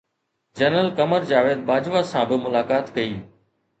general Qamar Javed Bajwa سان به ملاقات ڪئي